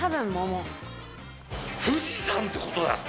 富士山ってことだ。